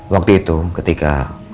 waktu itu ketika